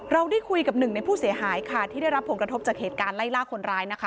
เราได้คุยกับหนึ่งในผู้เสียหายค่ะที่ได้รับผลกระทบจากเหตุการณ์ไล่ล่าคนร้ายนะคะ